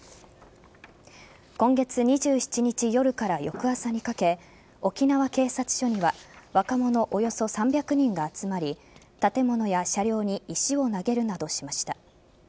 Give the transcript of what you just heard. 今月２７日夜から翌朝にかけ沖縄警察署には若者およそ３００人が集まり建物や車両に石を投げるなどしました。